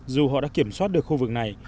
dù họ đã kiểm soát được khu vực này